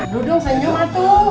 dudung senyum atuh